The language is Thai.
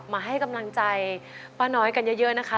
มาให้กำลังใจป้าน้อยกันเยอะนะคะ